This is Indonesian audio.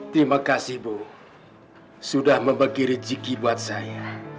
terima kasih bu sudah membagi rezeki buat saya